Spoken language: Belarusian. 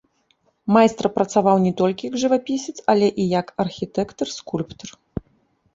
Майстар працаваў не толькі як жывапісец, але і як архітэктар, скульптар.